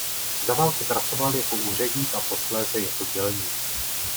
Za války pracoval jako úředník a posléze jako dělník.